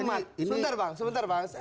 sebentar bang sebentar bang